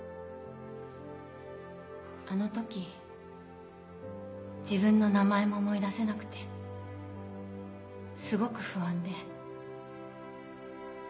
あの時自分の名前も思い出せなくてすごく不安で。